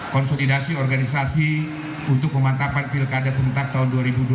konsolidasi organisasi untuk pemantapan pilkada serentak tahun dua ribu dua puluh